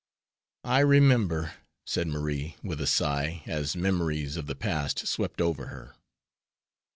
"I remember," said Marie, with a sigh, as memories of the past swept over her.